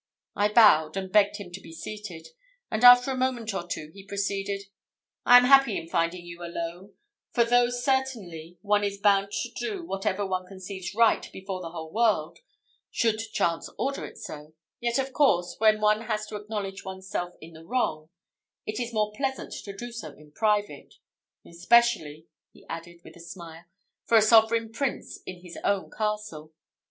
I bowed, and begged him to be seated; and after a moment or two he proceeded: "I am happy in finding you alone; for, though certainly one is bound to do whatever one conceives right before the whole world, should chance order it so, yet of course, when one has to acknowledge one's self in the wrong, it is more pleasant to do so in private especially," he added with a smile, "for a sovereign prince in his own castle.